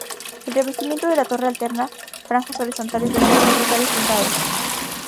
El revestimiento de la torre alterna franjas horizontales de acero y cristales tintados.